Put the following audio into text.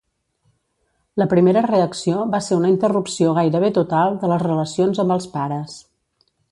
La primera reacció va ser una interrupció gairebé total de les relacions amb els pares.